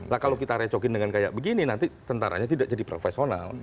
nah kalau kita recokin dengan kayak begini nanti tentaranya tidak jadi profesional